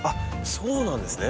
そうなんですね。